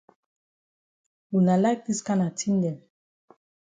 Wuna like dis kana tin dem.